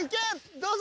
どうぞ！